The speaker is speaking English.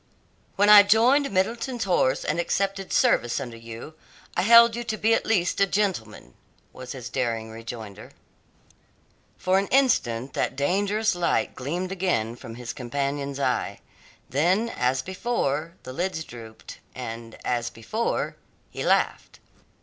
"When I joined Middleton's horse and accepted service under you, I held you to be at least a gentleman," was his daring rejoinder. For an instant that dangerous light gleamed again from his companion's eye. Then, as before, the lids drooped, and, as before, he laughed.